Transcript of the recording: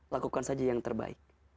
lakukan saja yang terbaik